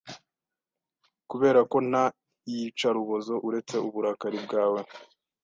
Kuberako nta iyicarubozo uretse uburakari bwawe